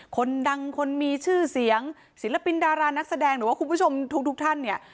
คนดังคนมีชื่อเสียงศิลปินดารานักแสดงหรือว่าคุณผู้ชมทุกท่านเนี่ย